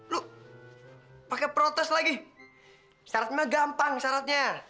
lo pake protes lagi syaratnya gampang syaratnya